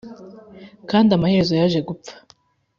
kandi amaherezo yaje gupfa